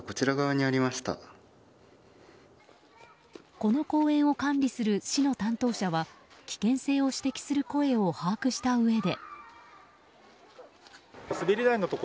この公園を管理する市の担当者は危険性を指摘する声を把握したうえで。